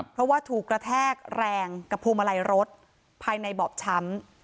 เพราะว่าถูกกระแทกแรงกับพวงมาลัยรถภายในบอบช้ำ